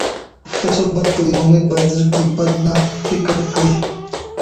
که څوک بد کوي، مؤمن باید په زړه کې بد نه فکر کړي.